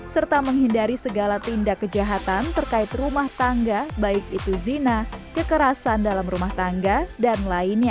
serta menghindari segala tindak kejahatan terkait rumah tangga baik itu zina kekerasan dalam rumah tangga dan lainnya